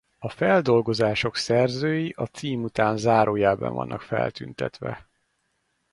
A feldolgozások szerzői a cím után zárójelben vannak feltüntetve.